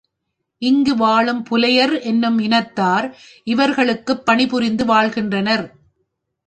இங்கு வாழும் புலையர் என்னும் இனத்தார் இவர்களுக்குப் பணிபுரிந்து வாழ்கின்றனர்.